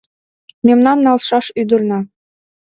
Мемнан налшаш ӱдырна